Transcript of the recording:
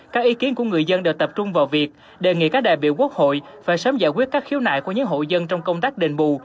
các ý kiến của người dân đều tập trung vào việc đề nghị các đại biểu quốc hội phải sớm giải quyết các khiếu nại của những hộ dân trong công tác đền bù